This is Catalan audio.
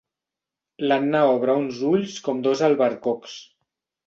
L'Anna obre uns ulls com dos albercocs.